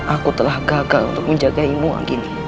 aku telah gagal untuk menjagaimu angine